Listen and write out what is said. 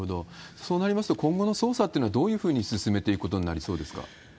そうなりますと、今後の捜査というのは、どういうふうに進めていくことになりそうですか？